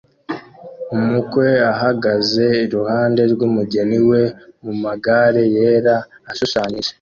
Umukwe ahagaze iruhande rwumugeni we mumagare yera ashushanyije